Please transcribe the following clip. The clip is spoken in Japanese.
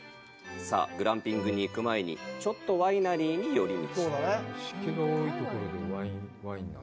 グランピングへ行く前にちょっとワイナリーに寄り道！